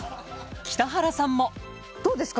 北原さんもどうですか？